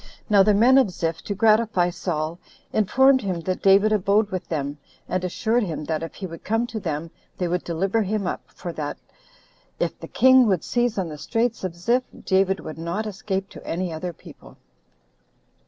Now the men of Ziph, to gratify Saul, informed him that David abode with them, and [assured him] that if he would come to them, they would deliver him up, for that if the king would seize on the Straits of Ziph, David would not escape to any other people.